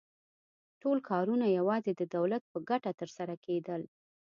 ټول کارونه یوازې د دولت په ګټه ترسره کېدل